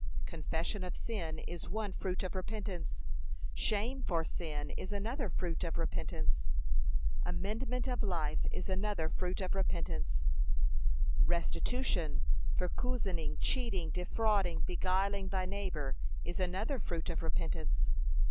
Confession of sin is one fruit of repentance; shame for sin is another fruit of repentance; amendment of life is another fruit of repentance; restitution for couzening, cheating, defrauding, beguiling thy neighbour, is another fruit of repentance.